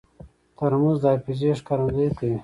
ترموز د حافظې ښکارندویي کوي.